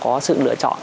của những người khán giả